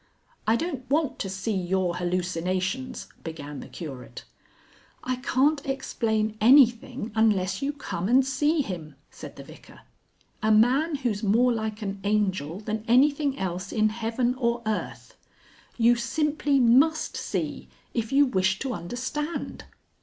"I don't want to see your hallucinations," began the Curate. "I can't explain anything unless you come and see him," said the Vicar. "A man who's more like an angel than anything else in heaven or earth. You simply must see if you wish to understand."